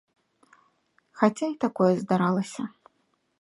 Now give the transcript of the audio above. Хаця і такое здаралася.